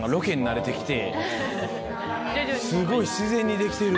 すごい自然に出来てる。